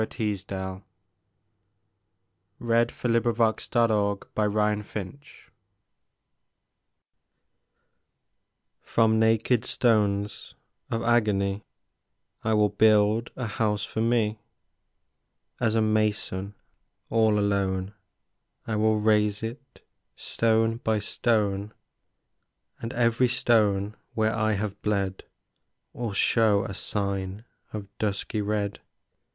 II Interlude: Songs out of Sorrow I. Spirit's House From naked stones of agony I will build a house for me; As a mason all alone I will raise it, stone by stone, And every stone where I have bled Will show a sign of dusky red.